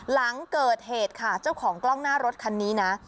หลังเกิดเหตุค่ะเจ้าของกล้องหน้ารถคันนี้นะ